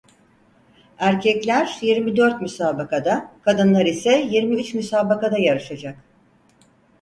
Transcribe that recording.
Erkekler yirmi dört müsabakada kadınlar ise yirmi üç müsabakada yarışacak.